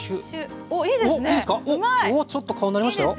ちょっと顔になりましたよ。